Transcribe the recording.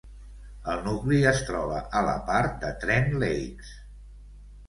El nucli es troba a la part de Trent Lakes.